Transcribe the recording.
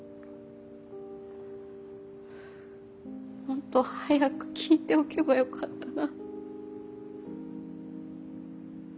もっと早く聞いておけばよかったな。